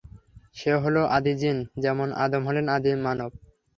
সে হলো আদি জিন, যেমন আদম হলেন আদি মানব।